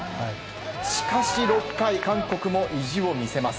しかし６回韓国も意地を見せます。